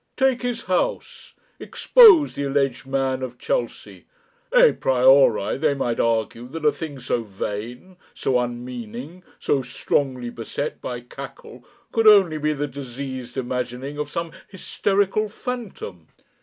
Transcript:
Take his house expose the alleged man of Chelsea! A priori they might argue that a thing so vain, so unmeaning, so strongly beset by cackle, could only be the diseased imagining of some hysterical phantom.